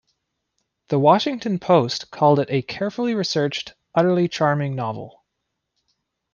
"The Washington Post" called it "a carefully researched, utterly charming novel".